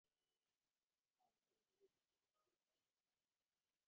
Dunsink time is mentioned five times in James Joyce's novel, "Ulysses".